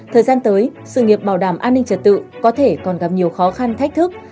thời gian tới sự nghiệp bảo đảm an ninh trật tự có thể còn gặp nhiều khó khăn thách thức